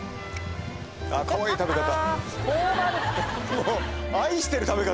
あっかわいい食べ方。